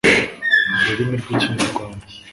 mu rurimi rw Ikinyarwanda